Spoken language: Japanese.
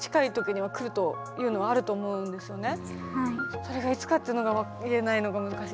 それがいつかっていうのが言えないのが難しい。